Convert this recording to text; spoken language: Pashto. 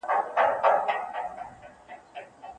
حق ته غاړه اېښودل د سړي عزت ډېروي.